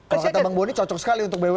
kalau kata bang buni cocok sekali untuk bumn